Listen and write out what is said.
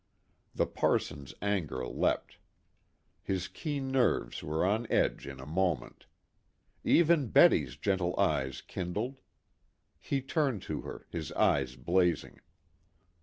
The parson's anger leapt. His keen nerves were on edge in a moment. Even Betty's gentle eyes kindled. He turned to her, his eyes blazing.